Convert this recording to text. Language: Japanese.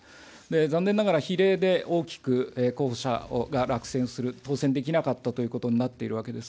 残念ながら比例で大きく候補者が落選する、当選できなかったということになっているわけです。